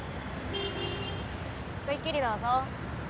ごゆっくりどうぞ。